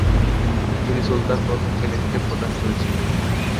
তিনি সুলতান প্রথম সেলিমকে প্রদান করেছিলেন।